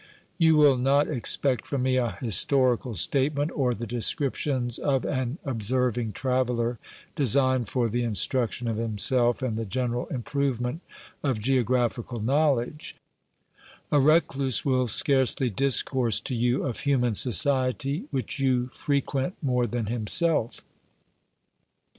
You will not expect from me a historical statement or 248 OBERMANN the descriptions of an observing traveller designed for the instruction of himself and the general improvement of geo graphical knowledge A recluse will scarcely discourse to you of human society, which you frequent more than himself.